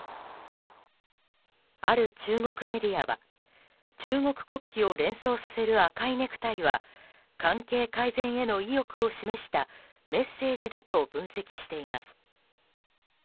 ある中国メディアは中国国旗を連想させる赤いネクタイは関係改善への意欲を示したメッセージだと分析しています。